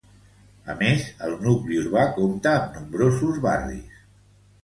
A més, el nucli urbà compta amb nombrosos barris.